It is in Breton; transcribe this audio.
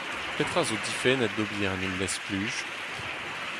Petra zo difennet ober en ul lestr-spluj ?